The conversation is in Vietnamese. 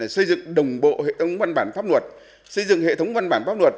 xây dựng đồng bộ hệ thống văn bản pháp luật xây dựng hệ thống văn bản pháp luật